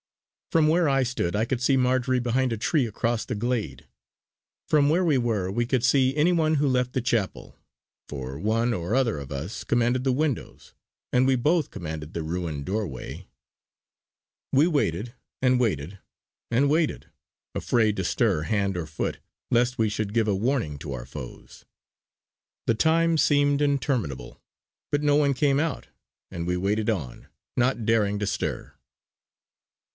From where I stood I could see Marjory behind a tree across the glade. From where we were we could see any one who left the chapel; for one or other of us commanded the windows, and we both commanded the ruined doorway. We waited, and waited, and waited, afraid to stir hand or foot lest we should give a warning to our foes. The time seemed interminable; but no one came out and we waited on, not daring to stir.